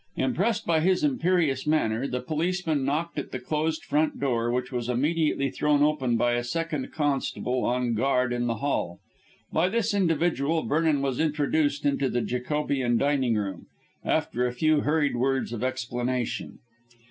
Impressed by his imperious manner, the policeman knocked at the closed front door, which was immediately thrown open by a second constable on guard in the hall. By this individual Vernon was introduced into the Jacobean dining room, after a few hurried words of explanation.